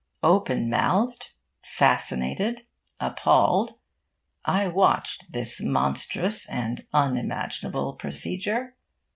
Open mouthed, fascinated, appalled, I watched this monstrous and unimaginable procedure.